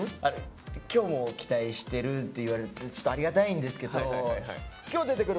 今日も期待してるって言われてちょっとありがたいんですけどあそう。